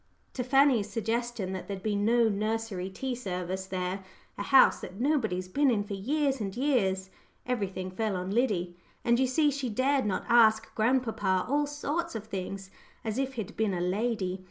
to Fanny's suggestion that there'd be no nursery tea service there "a house that nobody's been in for years and years" everything fell on old Liddy! And you see she dared not go asking grandpapa all sorts of things, as if he'd been a lady.